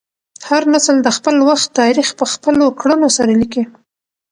هر نسل د خپل وخت تاریخ په خپلو کړنو سره لیکي.